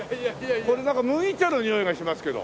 これなんか麦茶のにおいがしますけど。